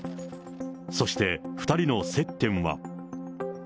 そして、２人の接点は。